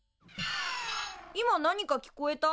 今何か聞こえた？